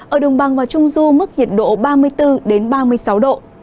ở đồng bằng và trung du mức nhiệt độ ba mươi bốn ba mươi sáu độ